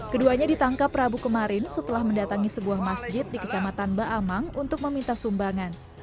keduanya ditangkap rabu kemarin setelah mendatangi sebuah masjid di kecamatan baamang ⁇ untuk meminta sumbangan